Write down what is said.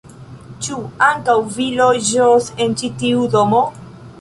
Ĉu ankaŭ vi loĝos en ĉi tiu domo?